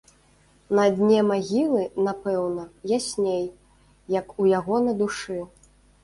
На дне магілы, напэўна, ясней, як у яго на душы.